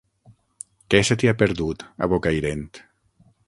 Què se t'hi ha perdut, a Bocairent?